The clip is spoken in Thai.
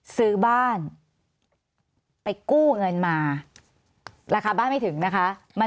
สวัสดีครับทุกคน